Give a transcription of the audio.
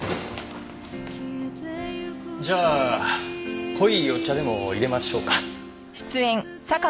じゃあ濃いお茶でも淹れましょうか。